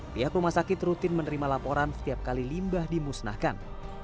pihak rumah sakit rutin menerima laporan setiap kali limbah dimusnahkan